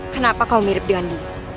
kenapa kau mirip dengan di